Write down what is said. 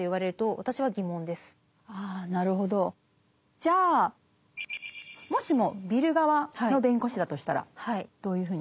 じゃあもしもビル側の弁護士だとしたらどういうふうに？